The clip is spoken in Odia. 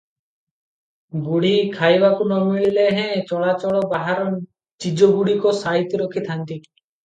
ବୁଢ଼ୀ ଖାଇବାକୁ ନ ମିଳିଲେହେଁ ଚଳାଚଳ ବାହାର ଚିଜଗୁଡ଼ିକ ସାଇତି ରଖି ଥାନ୍ତି ।